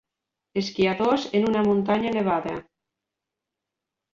Esquiadors en una muntanya nevada.